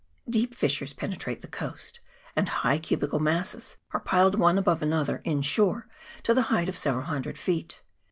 Deep fissures penetrate the coast, and high cubical masses are piled one above another in shore to the height of several hundred feet.